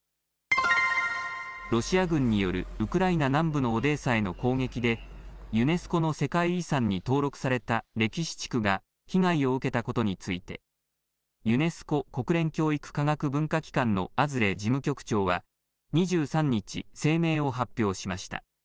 ロシア軍によるウクライナ南部のオデーサへの攻撃でユネスコの世界遺産に登録された歴史地区が被害を受けたことについてユネスコ・国連教育科学文化機関のアズレ事務局長は２３日、声明を発表しました。